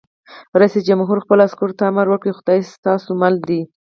رئیس جمهور خپلو عسکرو ته امر وکړ؛ خدای ستاسو مل دی!